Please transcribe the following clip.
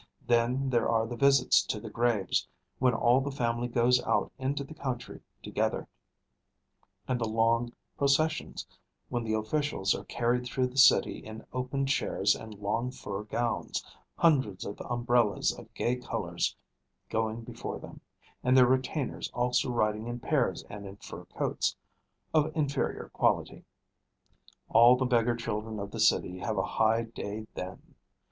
Then there are the visits to the graves, when all the family goes out into the country together; and the long processions, when the officials are carried through the city in open chairs and long fur gowns, hundreds of umbrellas of gay colours going before them, and their retainers also riding in pairs and in fur coats of inferior quality. All the beggar children of the city have a high day then.